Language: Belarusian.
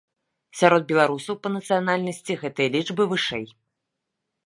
Сярод беларусаў па нацыянальнасці гэтыя лічбы вышэй.